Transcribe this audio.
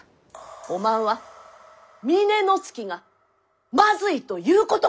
おまんは峰乃月がまずいということか！？